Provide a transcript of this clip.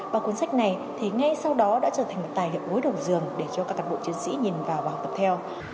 và cuốn sách này thì ngay sau đó đã trở thành một tài liệu gối đầu dường để cho các cán bộ chiến sĩ nhìn vào và học tập theo